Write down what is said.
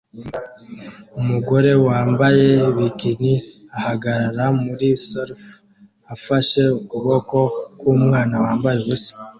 Umugore wambaye bikini ahagarara muri surf afashe ukuboko kwumwana wambaye ubusa